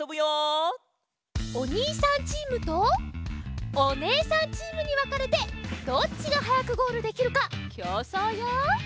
おにいさんチームとおねえさんチームにわかれてどっちがはやくゴールできるかきょうそうよ！